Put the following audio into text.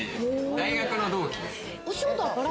大学の同期です。